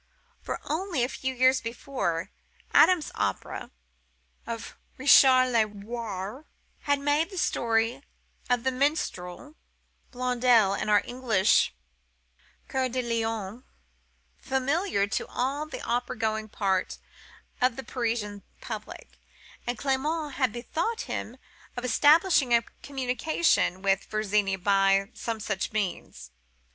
For, only a few years before, Adam's opera of Richard le Roi had made the story of the minstrel Blondel and our English Coeur de Lion familiar to all the opera going part of the Parisian public, and Clement had bethought him of establishing a communication with Virginie by some such means.